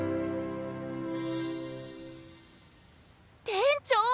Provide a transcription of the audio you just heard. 店長！